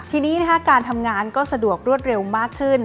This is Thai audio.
ทีนี้การทำงานก็สะดวกรวดเร็วมากขึ้น